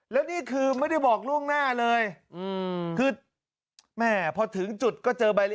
แล้วนี่คือไม่ได้บอกล่วงหน้าเลยคือแม่พอถึงจุดก็เจอใบนี้